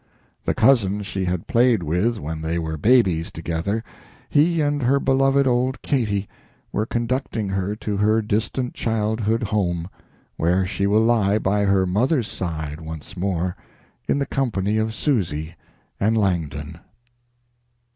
The cousin she had played with when they were babies together he and her beloved old Katy were conducting her to her distant childhood home, where she will lie by her mother's side once more, in the company of Susy and Langdon."